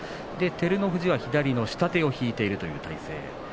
照ノ富士は左の下手を引いているという体勢。